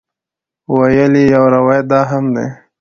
ویل یې یو روایت دا هم دی.